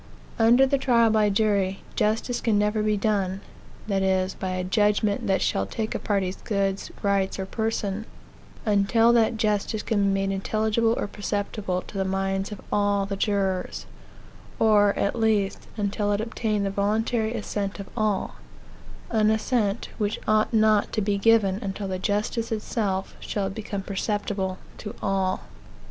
Under the trial by jury, justice can never be done that is, by a judgment that shall take a party's goods, rights, or person until that justice can be made intelligible or perceptible to the minds of all the jurors; or, at least, until it obtain the voluntary assent of all an assent, which ought not to be given until the justice itself shall have become perceptible to all.